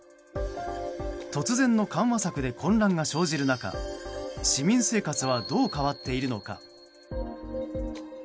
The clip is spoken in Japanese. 突然の緩和策で混乱が生じる中市民生活はどう変わっているのか。